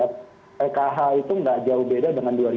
pkh itu tidak jauh beda dengan dua ribu sembilan belas